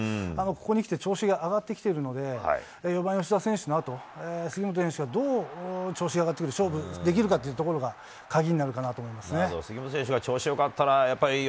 ここにきて調子が上がってきているので、４番吉田選手の後、杉本選手がどう調子が上がってくる、勝負ができるかっていうところが、鍵になるかなと思いますね。